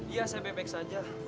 iya saya bebek saja